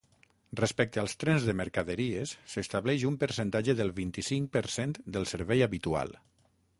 Respecte als trens de mercaderies, s’estableix un percentatge del vint-i-cinc per cent del servei habitual.